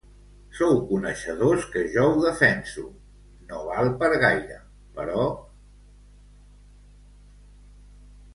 Sou coneixedors que jo ho defenso, no val per gaire, però….